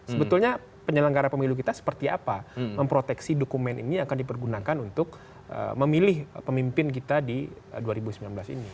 sebetulnya penyelenggara pemilu kita seperti apa memproteksi dokumen ini akan dipergunakan untuk memilih pemimpin kita di dua ribu sembilan belas ini